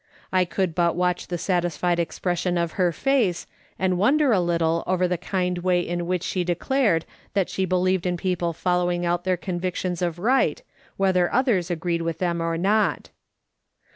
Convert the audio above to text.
I could but watch the satisfied expression of her face, and wonder a little over the kind way in which she declared that she believed in people following out their convic tions of right, whether others agreed with them or not.